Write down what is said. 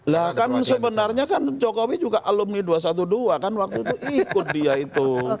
lah kan sebenarnya kan jokowi juga alumni dua ratus dua belas kan waktu itu ikut dia itu